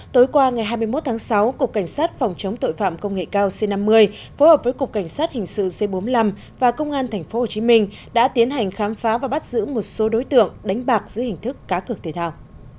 tối qua ngày hai mươi một tháng sáu cục cảnh sát phòng chống tội phạm công nghệ cao c năm mươi phối hợp với cục cảnh sát hình sự c bốn mươi năm và công an tp hcm đã tiến hành khám phá và bắt giữ một số đối tượng đánh bạc dưới hình thức cá cược thể thao